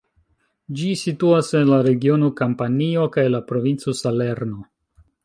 Ĝi situas en la regiono Kampanio kaj la provinco Salerno.